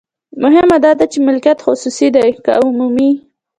مهمه دا ده چې مالکیت خصوصي دی که عمومي.